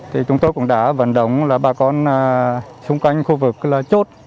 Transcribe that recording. thì chúng tôi cũng đã vận động là bà con xung quanh khu vực chốt